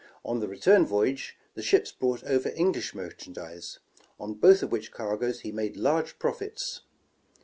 On the return voyage the ships brought over English merchandise, on both of which cargoes he made large profits.